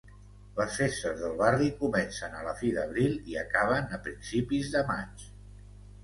Les festes del barri comencen a la fi d'abril i acaben a principis de maig.